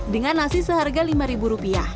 dengan nasi seharga rp lima